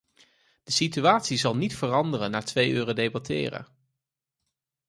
De situatie zal niet veranderen na twee uren debatteren.